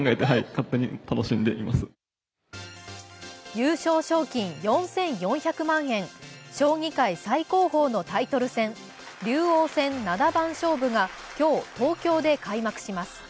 優勝賞金４４０万円、将棋界最高峰のタイトル戦、竜王戦七番勝負が今日、東京で開幕します。